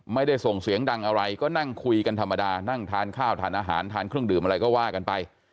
ไม่ได้ส่งเสียงดังอะไรก็นั่งคุยกันธรรมดานั่งทานข้าวทานอาหารทานเครื่องดื่มอะไรก็ว่ากันไป